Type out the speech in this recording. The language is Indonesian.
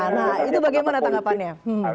nah itu bagaimana tanggapannya